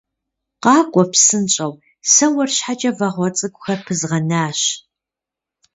Къакӏуэ псынщӏэу, сэ уэр щхьэкӏэ вагъуэ цӏыкӏухэр пызгъэнащ.